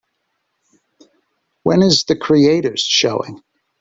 When is The Creators showing